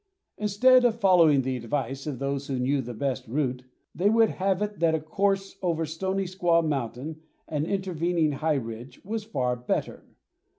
Instead of following the advice of those who knew the best route, they would have it that a course over Stoney Squaw Mountain, an intervening high ridge, was far better.